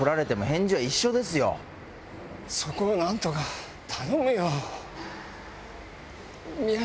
そこを何とか頼むよ。